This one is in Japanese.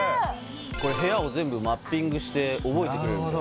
これ部屋を全部マッピングして覚えてくれるんです